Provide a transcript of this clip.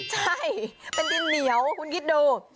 ใช่เป็นดินเหนียวคุณคิดดู